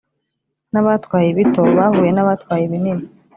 nabatwaye ibito bahuye nabatwaye ibinini